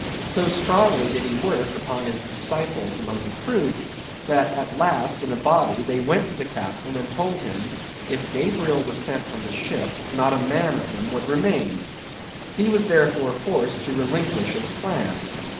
So strongly did he work upon his disciples among the crew, that at last in a body they went to the captain and told him if Gabriel was sent from the ship, not a man of them would remain. He was therefore forced to relinquish his plan.